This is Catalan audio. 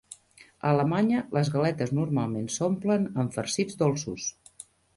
A Alemanya, les galetes normalment s'omplen amb farcits dolços.